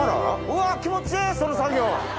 うわ気持ちいいその作業！